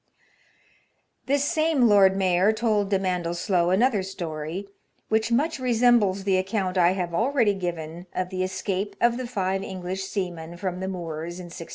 This same Lord Mayor told de Mandelsloe another story, which much resembles the account I have already given of the escape of the five English seamen from the Moors in 1644.